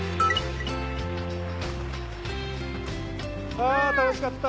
あ楽しかった！